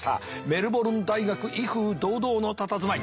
メルボルン大学威風堂々のたたずまい。